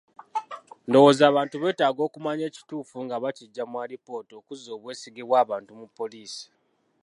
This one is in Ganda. Ndowooza abantu beetaaga okumanya ekituufu nga bakiggya mu alipoota, okuzza obwesige bw'abantu mu poliisi.